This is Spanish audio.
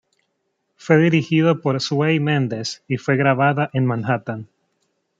Fue dirigido por Sway Mendez y fue grabada en Manhattan.